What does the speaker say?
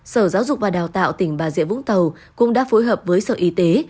sở giáo dục và đào tạo tỉnh bà rịa vũng tàu cũng đã phối hợp với sở y tế